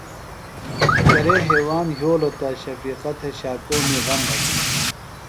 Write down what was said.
کرے ہیواند یھولوۡ تہ شفیقہ تھےۡ شاکومی غم ڈھکِلوۡ۔